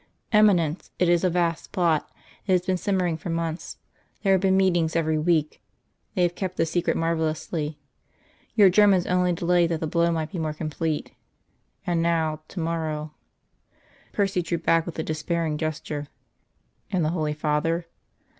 "Eminence, it is a vast plot. It has been simmering for months. There have been meetings every week. They have kept the secret marvellously. Your Germans only delayed that the blow might be more complete. And now, to morrow " Percy drew back with a despairing gesture. "And the Holy Father?"